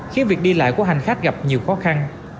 khiến việc đi lại của hành khách gặp nhiều khó khăn